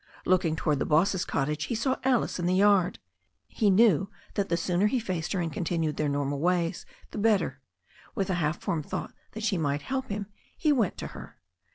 Looking towards the boss's cottage, he saw Alice in the yard. He knew that the sooner he faced her and continued their normal ways the better. With the half formed thought that she might help him he went to her.